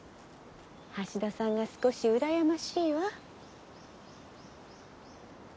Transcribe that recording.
橋田さんが少し羨ましいわ。